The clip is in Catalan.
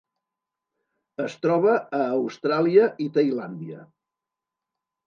Es troba a Austràlia i Tailàndia.